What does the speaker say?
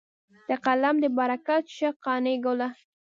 د قلم دې برکت شه قانع ګله.